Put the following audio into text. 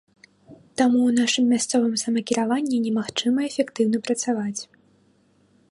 Таму ў нашым мясцовым самакіраванні немагчыма эфектыўна працаваць.